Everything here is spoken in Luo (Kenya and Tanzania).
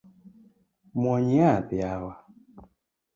Muony yath yawa.